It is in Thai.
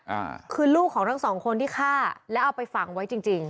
อ่าคือลูกของทั้งสองคนที่ฆ่าแล้วเอาไปฝังไว้จริงจริง